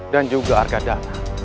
dan juga arkadana